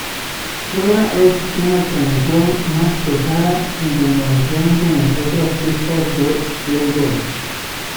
Kola es una canción más pesada en comparación con las otras pistas de Playboys.